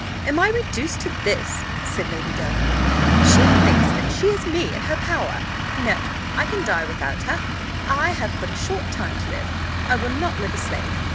am I reduced to this?" said Lady Delacour: "she thinks that she has me in her power. No; I can die without her: I have but a short time to live I will not live a slave.